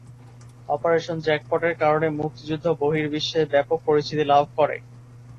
Operation জ্যাকপটের কারণে মুক্তিযুদ্ধ বহির্বিশ্বে ব্যাপক পরিচিতি লাভ করে।